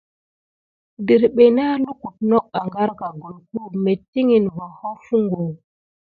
Dirɓe nā lukute not ágarka gulku metikine va hofungo.